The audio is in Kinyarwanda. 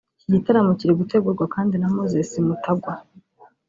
Iki gitaramo kiri gutegurwa kandi na Moses Mutagwa